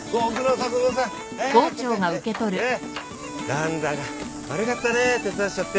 何だか悪かったね手伝わせちゃって。